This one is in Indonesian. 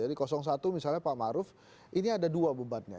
jadi satu misalnya pak maruf ini ada dua beban nya